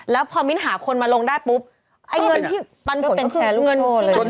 แล้วพอวิธีหาคนมาลงได้ปุ๊บไอ้เงินที่ปันผลก็เป็นแคล์ลูกโซ่เลย